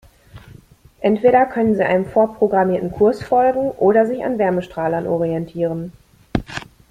Entweder können sie einem vorprogrammierten Kurs folgen oder sich an Wärmestrahlern orientieren.